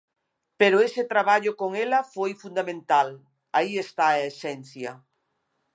Pero ese traballo con ela foi fundamental, aí está a esencia.